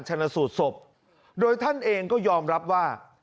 ชนสูตรศพโดยท่านเองก็ยอมรับว่า